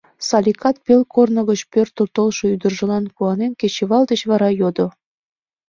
Саликат пел корно гыч пӧртыл толшо ӱдыржылан куанен, кечывал деч вара йодо: